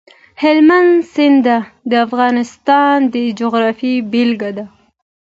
هلمند سیند د افغانستان د جغرافیې بېلګه ده.